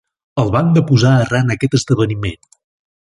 El van deposar arran aquest esdeveniment.